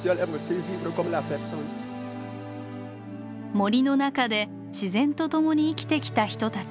森の中で自然とともに生きてきた人たち。